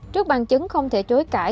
trước bằng chứng không thể chối cãi